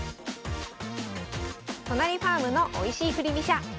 都成ファームのおいしい振り飛車。